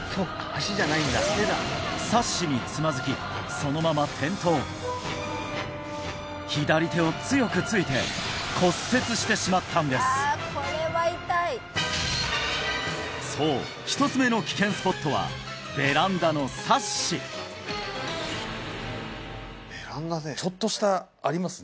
サッシにつまずきそのまま転倒左手を強くついて骨折してしまったんですそう１つ目のベランダでちょっとしたありますね